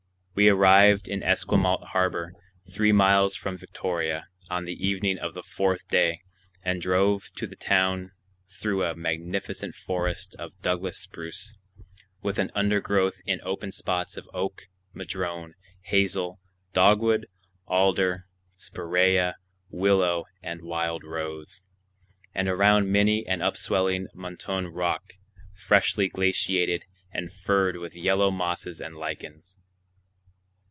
We arrived in Esquimault Harbor, three miles from Victoria, on the evening of the fourth day, and drove to the town through a magnificent forest of Douglas spruce,—with an undergrowth in open spots of oak, madrone, hazel, dogwood, alder, spiræa, willow, and wild rose,—and around many an upswelling moutonné rock, freshly glaciated and furred with yellow mosses and lichens.